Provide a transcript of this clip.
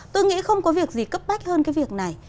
tôi nghĩ không có việc gì cấp bách hơn cái việc này